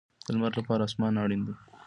د لمر لپاره اسمان اړین دی